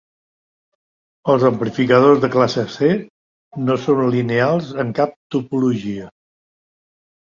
Els amplificadors de classe C no són lineals en cap topologia.